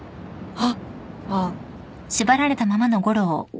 あっ。